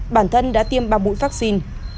bản thân đã tiêm ba mũi vaccine